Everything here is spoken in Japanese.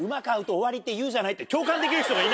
って言うじゃないって。